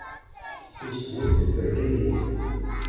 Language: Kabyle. Tesmesdeḍ tiferyin.